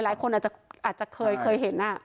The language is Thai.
หลายคนอาจจะเคยเห็น